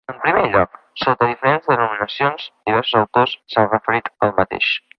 En primer lloc, sota diferents denominacions, diversos autors s'han referit al mateix.